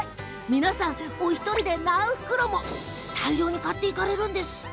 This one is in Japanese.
皆さん、お一人で何袋も大量に買っていかれるんです。